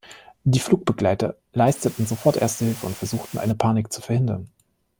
Die Flugbegleiter leisteten sofort Erste Hilfe und versuchten, eine Panik zu verhindern.